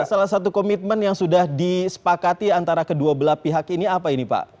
salah satu komitmen yang sudah disepakati antara kedua belah pihak ini apa ini pak